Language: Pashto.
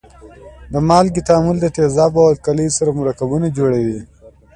د مالګې تعامل د تیزابو او القلیو سره مرکبونه جوړوي.